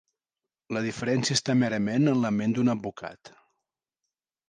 La diferència està merament en la ment d'un advocat.